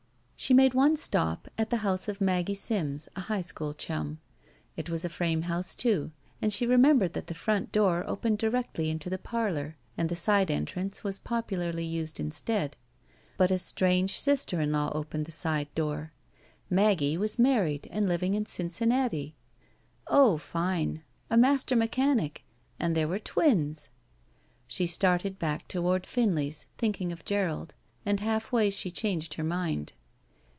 She made one stop, at the house of Maggie Simms, a high school ohtmi. It was a frame house, too, and she remembered that the front door opened directly into the parlor and the side entrance was poptdarly used instead. But a strange sister in law opened the side door. Maggie was married and living in Cincinnati. Oh, fine — a master mechanic, and there were twins. She started back toward Finley's, thinking of Gerald, and halfway she changed her mind.